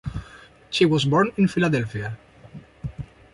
She was born in Philadelphia.